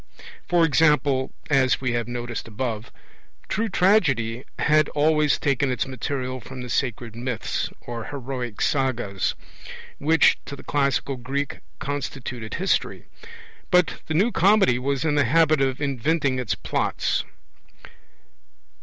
For example, as we have noticed above, true Tragedy had always taken its material from the sacred myths, or heroic sagas, which to the classical Greek constituted history. But the New Comedy was in the habit of inventing its plots.